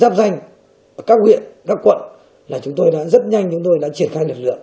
giáp danh ở các huyện các quận là chúng tôi đã rất nhanh chúng tôi đã triển khai lực lượng